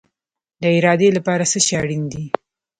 د ارادې لپاره څه شی اړین دی؟